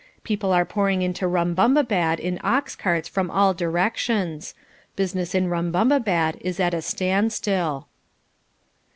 People are pouring into Rumbumbabad in ox carts from all directions. Business in Rumbumbabad is at a standstill.